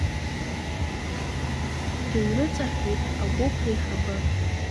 Дыҩрыҵаҳәҳәеит агәыԥ реиҳабы.